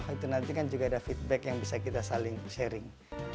itu nanti kan juga ada feedback yang bisa kita saling sharing